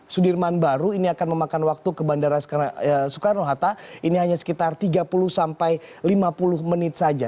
sudirman baru ini akan memakan waktu ke bandara soekarno hatta ini hanya sekitar tiga puluh sampai lima puluh menit saja